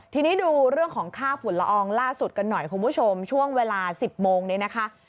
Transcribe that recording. ทีนี้ดูเรื่องของค่าฝุ่นละอองล่าสุดกันหน่อยคุณผู้ชมช่วงเวลา๑๐โมงนี้นะคะ